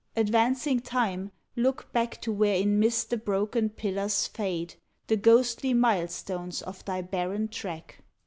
Advancing Time, look back To where in mist the broken pillars fade, The ghostly milestones of thy barren track!